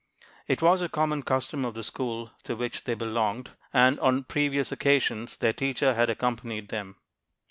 It was a common custom of the school to which they belonged, and on previous occasions their teacher had accompanied them.